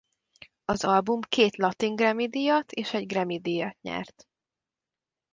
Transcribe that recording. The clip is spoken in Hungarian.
Az album két Latin Grammy-díjat és egy Grammy-díjat nyert.